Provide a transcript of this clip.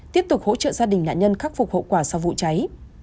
tiếp tục hỗ trợ gia đình nạn nhân khắc phục hậu quả sau vụ cháy